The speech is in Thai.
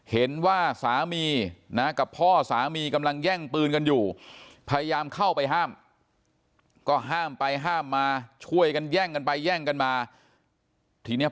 เห็นว่าสามีนะกับพ่อสามีกำลังแย่งปืนกันอยู่พยายามเข้าไปห้ามก็ห้ามไปห้ามมาช่วยกันแย่งกันไปแย่งกันมาทีเนี้ย